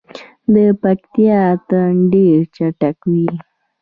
د پکتیا اتن ډیر چټک وي.